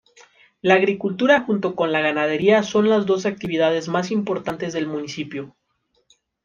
La agricultura junto con la ganadería son las dos actividades más importantes del municipio.